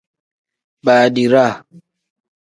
Badiraa.